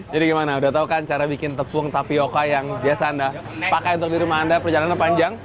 jadi gimana udah tau kan cara bikin tepung tapioca yang biasa anda pakai untuk diri anda perjalanan panjang